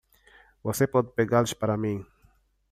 Você pode pegá-los para mim!